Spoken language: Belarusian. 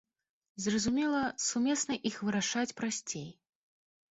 Зразумела, сумесна іх вырашаць прасцей.